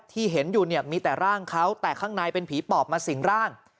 ที่เห็นอยู่เนี่ยมีแต่ร่างเขาแต่ข้างในเป็นผีปอบมาสิ่งร่าง